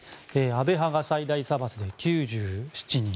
安倍派が最大派閥で９７人。